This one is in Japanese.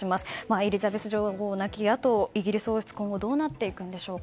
エリザベス女王亡きあとイギリス王室は今後どうなっていくんでしょうか。